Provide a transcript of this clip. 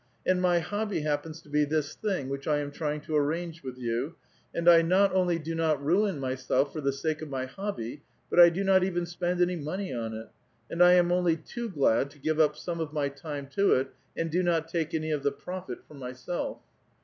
And my hobby iiappens to be this thing which I am trying to arrange with 3'ou, and I not only do not ruin myself for the sake of my hobby, but 1 do not even spend any money on it ; I am only too glad to give up some of my time to it, and do not take ^oy of the profit for myself.